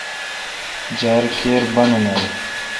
جار کیر بانہ نالیل۔